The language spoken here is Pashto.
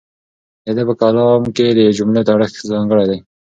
د ده په کلام کې د جملو تړښت ځانګړی دی.